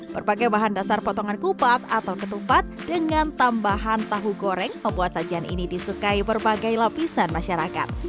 berbagai bahan dasar potongan kupat atau ketupat dengan tambahan tahu goreng membuat sajian ini disukai berbagai lapisan masyarakat